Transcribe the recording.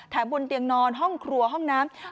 บนเตียงนอนห้องครัวห้องน้ำ